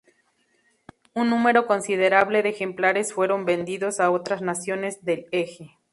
Un número considerable de ejemplares fueron vendidos a otras naciones del Eje.